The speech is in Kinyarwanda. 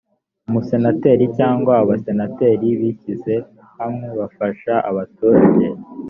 umusenateri cyangwa abasenateri bishyize hamwe bafasha abaturage